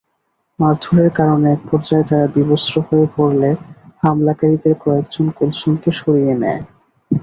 মারধরের কারণে একপর্যায়ে তাঁরা বিবস্ত্র হয়ে পড়লে হামলাকারীদের কয়েকজন কুলসুমকে সরিয়ে নেয়।